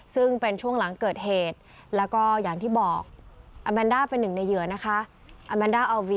ซึ่งเป็นช่วงหลังเกิดเหตุแล้วก็อย่างที่บอกเป็นหนึ่งในเหยื่อนะคะ